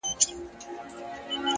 هره هڅه د راتلونکي بڼه جوړوي